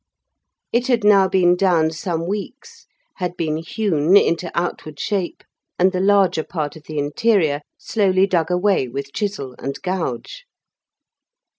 It had now been down some weeks, had been hewn into outward shape, and the larger part of the interior slowly dug away with chisel and gouge.